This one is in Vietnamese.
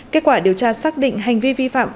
kết quả điều tra xác định hành vi vi phạm